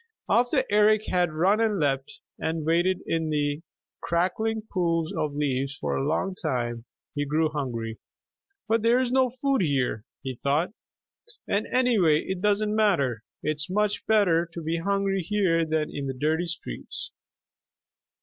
After Eric had run and leapt and waded in the crackling pools of leaves for a long time, he grew hungry. "But there is no food here," he thought; "and anyway it doesn't matter. It's much better to be hungry here than in the dirty streets."